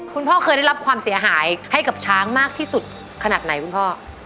คุณพ่อเคยได้รับความเสียหายให้กับช้างมากที่สุดขนาดไหนคุณพ่อ